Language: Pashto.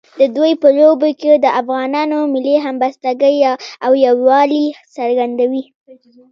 د دوی په لوبو کې د افغانانو ملي همبستګۍ او یووالي څرګندوي.